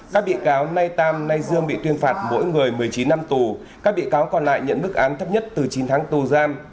các bị cáo nay tam nay dương bị tuyên phạt mỗi người một mươi chín năm tù các bị cáo còn lại nhận bức án thấp nhất từ chín tháng tù giam